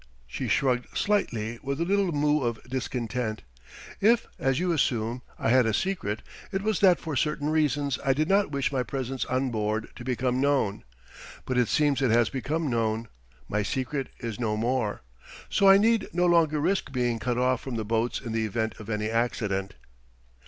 She shrugged slightly with a little moue of discontent. "If, as you assume, I had a secret, it was that for certain reasons I did not wish my presence on board to become known. But it seems it has become known: my secret is no more. So I need no longer risk being cut off from the boats in the event of any accident."